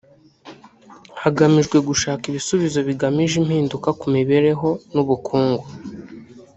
hagamijwe gushaka ibisubizo bigamije impinduka ku mibereho n’ ubukungu